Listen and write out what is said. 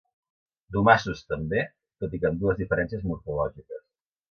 Domassos, també, tot i que amb dues diferències morfològiques.